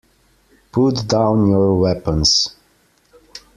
Put down your weapons.